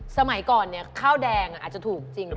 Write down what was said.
สมัยก่อนเนี่ยข้าวแดงอ่ะอาจจะถูกจริงที่